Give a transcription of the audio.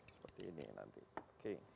seperti ini nanti oke